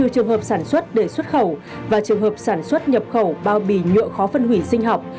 một mươi trường hợp sản xuất để xuất khẩu và trường hợp sản xuất nhập khẩu bao bì nhựa khó phân hủy sinh học